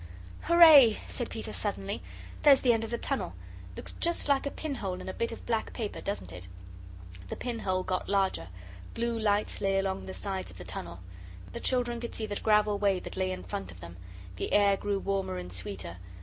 "Hurray," said Peter, suddenly, "there's the end of the tunnel looks just like a pin hole in a bit of black paper, doesn't it?" The pin hole got larger blue lights lay along the sides of the tunnel. The children could see the gravel way that lay in front of them; the air grew warmer and sweeter.